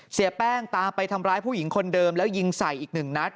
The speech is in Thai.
เสียแป้งตามไปทำร้ายผู้หญิงคนเดิมแล้วยิงใส่อีกหนึ่งนัด